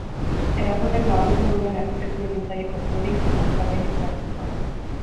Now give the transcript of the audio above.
Erakundeak nabarmendu duenez, ez du ekintzaile kopururik ezta kokapenik zehaztuko.